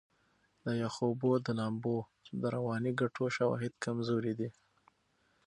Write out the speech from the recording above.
د یخو اوبو د لامبو د رواني ګټو شواهد کمزوري دي.